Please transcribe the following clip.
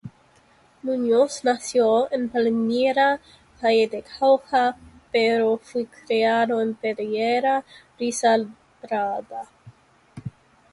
Muñoz nació en Palmira, Valle del Cauca, pero fue criado en Pereira, Risaralda.